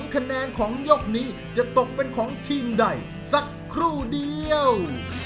คะแนนของยกนี้จะตกเป็นของทีมใดสักครู่เดียว